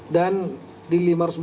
dan di lima ratus empat belas